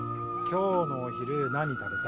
今日のお昼何食べたい？